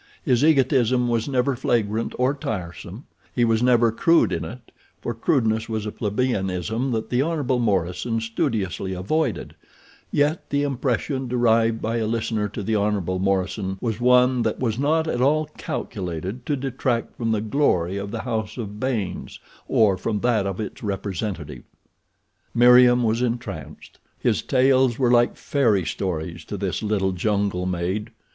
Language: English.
His egotism was never flagrant or tiresome—he was never crude in it, for crudeness was a plebeianism that the Hon. Morison studiously avoided, yet the impression derived by a listener to the Hon. Morison was one that was not at all calculated to detract from the glory of the house of Baynes, or from that of its representative. Meriem was entranced. His tales were like fairy stories to this little jungle maid.